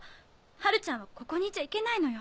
ハルちゃんはここにいちゃいけないのよ。